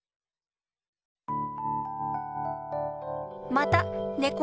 またねこ